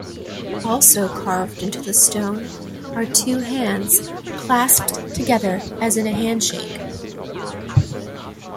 Also carved into the stone are two hands clasped together as in a handshake.